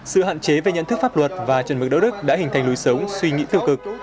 sự hạn chế về nhận thức pháp luật và chuẩn mực đạo đức đã hình thành lối sống suy nghĩ tiêu cực